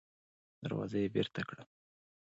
دروازه يې بېرته کړه.